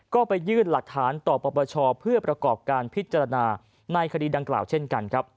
ก็ไปยื่นหลักฐานต่อปปชเพื่อประกอบการพิจารณาในคดีดังกล่าวเช่นกันครับ